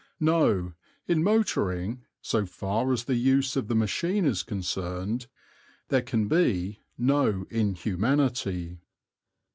No, in motoring, so far as the use of the machine is concerned, there can be no inhumanity.